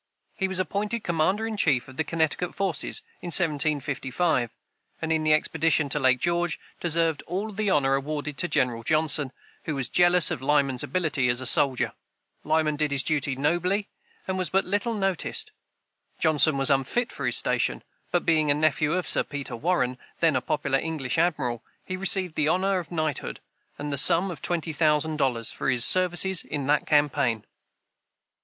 He was appointed commander in chief of the Connecticut forces in 1755, and in the expedition to Lake George deserved all the honor awarded to General Johnson, who was jealous of Lyman's abilities as a soldier. Lyman did his duty nobly, and was but little noticed. Johnson was unfit for his station, but being a nephew of Sir Peter Warren, then a popular English admiral, he received the honor of knighthood, and the sum of twenty thousand dollars, for his services in that campaign!